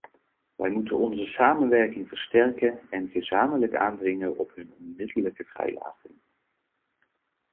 Wij moeten onze samenwerking versterken en gezamenlijk aandringen op hun onmiddellijke vrijlating.